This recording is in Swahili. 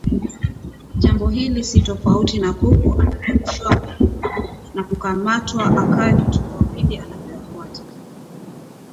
Jambo hili si tofauti na kuku anavyorushiwa mahindi, na kukamatwa akawe kitoweo pindi anapoyafuata